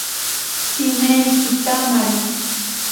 Tsimeri kitamari.